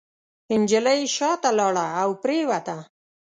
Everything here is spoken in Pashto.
نجلۍ شاته لاړه او پرېوته.